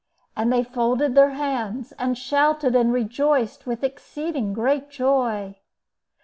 And they folded their hands, and shouted, and rejoiced with exceeding great joy.